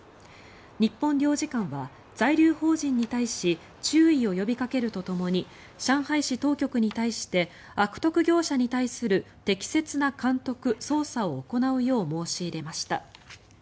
日本領事館は在留邦人に対し注意を呼びかけるとともに上海市当局に対して悪徳業者に対する適切な監督・捜査を行うよう申し入れました。